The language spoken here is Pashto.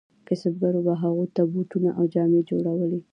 کسبګرو به هغو ته بوټونه او جامې جوړولې.